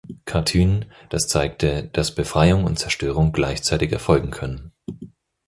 Katyn, das zeigte, dass Befreiung und Zerstörung gleichzeitig erfolgen können.